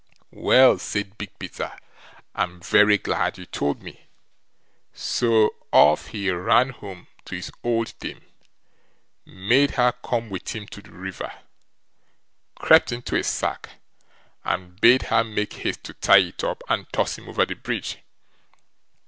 "Well", said Big Peter, "I'm very glad you told me." So off he ran home to his old dame; made her come with him to the river; crept into a sack, and bade her make haste to tie it up, and toss him over the bridge.